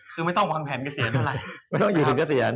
คือไม่ต้องวางแผนเกษียณเท่าไหร่ไม่ต้องอยู่ถึงเกษียณ